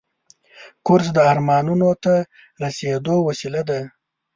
کورس د ارمانونو ته رسیدو وسیله ده.